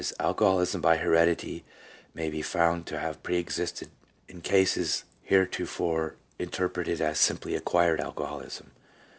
alcoholism by heredity may be found to have pre existed in cases heretofore interpreted as simply acquired alcoholism.